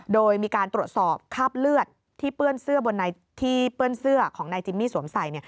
โดยมีการตรวจสอบคาบเลือดที่เปื้อนเสื้อของนายจิมมี่สวมใส่